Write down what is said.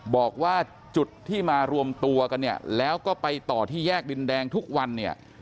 บอกว่าจุดที่มารวมตัวกันเนี่ยแล้วก็ไปต่อที่แยกดินแดงทุกวันเนี่ย